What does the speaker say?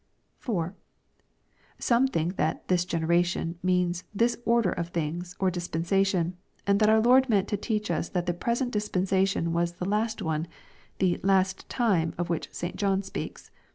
4. Some think that "this generation" means "this order of things," or dispensation, and that our Lord meant to teach us that the present dispensation was the last one, the " last time" of which St. John speaks.